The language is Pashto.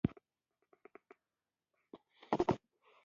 د ګنډ افغاني واسکټونه څوک اخلي؟